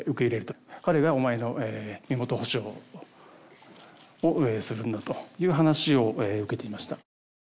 「彼がお前の身元保証をするんだ」という話を受けていました。